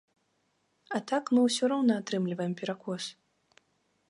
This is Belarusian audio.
А так мы ўсё роўна атрымліваем перакос.